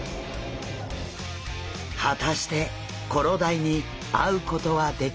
果たしてコロダイに会うことはできるのでしょうか？